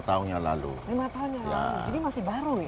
lima tahun yang lalu jadi masih baru ya